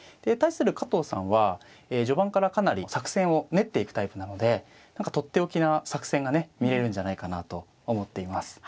対する加藤さんは序盤からかなり作戦を練っていくタイプなので何か取って置きな作戦がね見れるんじゃないかなと思っています。